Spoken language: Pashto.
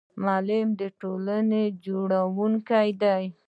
معلم د ټولنې جوړونکی دی